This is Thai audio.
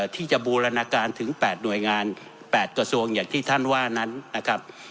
ที่จะบูรณาการถึง๘หน่วยงาน๘กระทรวงอย่างที่ท่านว่านั้นนะครับ